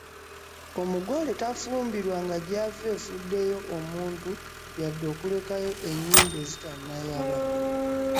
Omugole tafumbirwa nga gy’ava efuddeyo omuntu yadde okulekayo ennyimbe ezitannayaba.